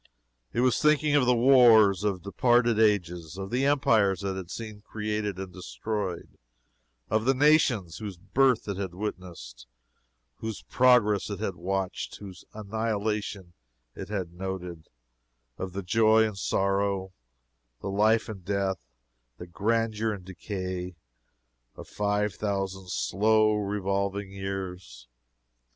It was thinking of the wars of departed ages; of the empires it had seen created and destroyed; of the nations whose birth it had witnessed, whose progress it had watched, whose annihilation it had noted; of the joy and sorrow, the life and death, the grandeur and decay, of five thousand slow revolving years.